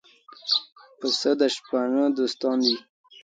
پسه د شپانه دوستان دي.